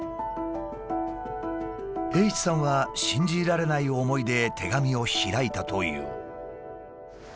栄一さんは信じられない思いで手紙を開いたという。